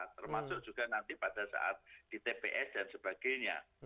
termasuk juga nanti pada saat di tps dan sebagainya